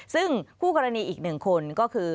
ซึ่งคู่กรณีอีกหนึ่งคนก็คือ